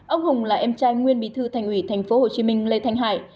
ông hùng là em trai nguyên bí thư thành ủy tp hcm lê thanh hải